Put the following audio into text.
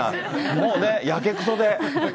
もうね、やけくそで。